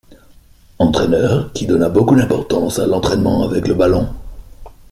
Entraîneur qui donna beaucoup d'importance à l'entraînement avec le ballon.